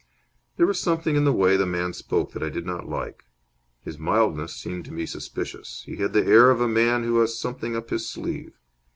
There was something in the way the man spoke that I did not like. His mildness seemed to me suspicious. He had the air of a man who has something up his sleeve.